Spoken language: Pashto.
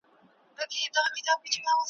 نن له سرو میو نشې تللي دي مستي ویده ده ,